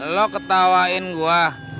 lo ketawain gue